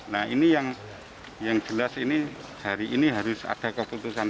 nah ini yang jelas ini hari ini harus ada keputusan